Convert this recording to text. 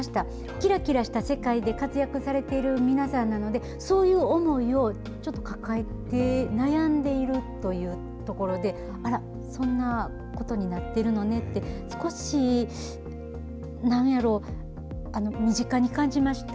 きらきらした世界で活躍されてる皆さんなので、そういう思いをちょっと抱えて悩んでいるというところで、あら、そんなことになってるのって、少し、なんやろう、身近に感じました。